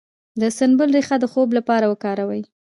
د سنبل ریښه د خوب لپاره وکاروئ